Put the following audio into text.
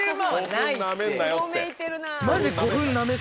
古墳なめんなよって。